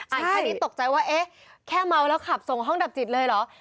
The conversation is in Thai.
แค่นี้ตกใจว่าเอ๊ะแค่เมาแล้วขับส่งห้องดับจิตเลยเหรอ